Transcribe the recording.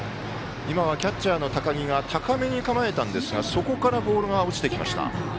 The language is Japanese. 今はキャッチャーの高木が高めに構えたんですがそこからボールが落ちてきました。